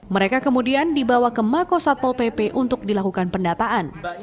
mereka kemudian dibawa ke makosatpol pp untuk dilakukan pendataan